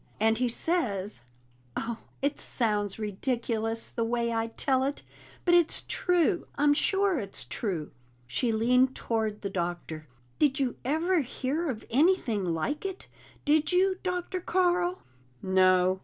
And he says Oh, it sounds ridiculous, the way I tell it, but it's true! I'm sure it's true!" She leaned toward the Doctor. "Did you ever hear of anything like it? Did you, Dr. Carl?" "No."